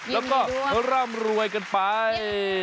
แล้วก็ร่ำรวยกันไป